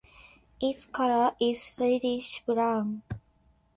Its color is reddish brown.